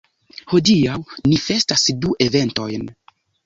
Hodiaŭ ni festas du eventojn.